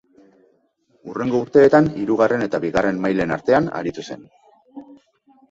Hurrengo urteetan hirugarren eta bigarren mailen artean aritu zen.